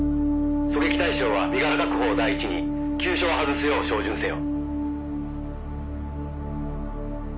狙撃対象は身柄確保を第一に急所は外すよう照準せよ」